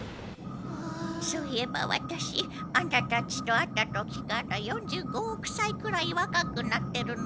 そういえばワタシアンタたちと会った時から４５億歳くらいわかくなってるの。